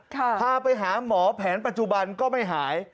พาไปหาหมอแผนปัจจุบันก็ไม่หาย